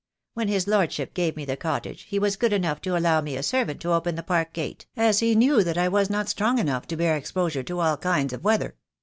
When his Lordship gave me the cottage he was good enough to allow me a servant to open the park gate, as he knew that I was not strong enough to bear exposure to all kinds of weather.